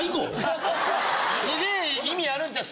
すげえ意味あるんちゃう